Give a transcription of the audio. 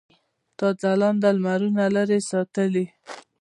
تا ځلاند لمرونه لرې ساتلي.